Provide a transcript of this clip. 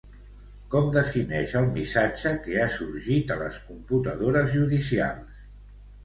Com defineix el missatge que ha sorgit a les computadores judicials?